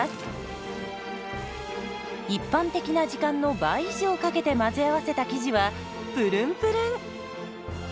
一般的な時間の倍以上かけて混ぜ合わせた生地はプルンプルン。